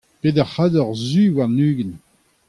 peder c'hador zu warn-ugent.